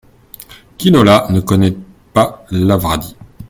Quinola ne connaît pas Lavradi.